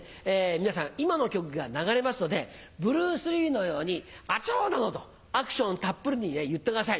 皆さん今の曲が流れますのでブルース・リーのように「アチョ」などとアクションたっぷりに言ってください。